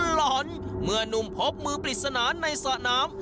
หล่อนเมื่อนุ่มพกมือปริศนาในสระน้ำ